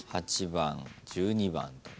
８番１２番と。